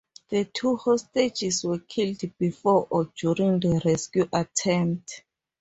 The two hostages were killed before or during the rescue attempt.